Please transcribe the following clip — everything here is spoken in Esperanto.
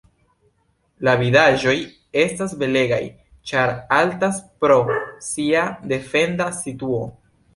La vidaĵoj estas belegaj ĉar altas pro sia defenda situo.